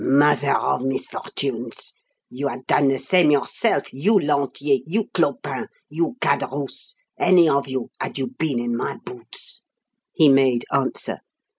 "Mother of misfortunes! You had done the same yourself you, Lantier; you, Clopin; you, Cadarousse; any of you had you been in my boots," he made answer.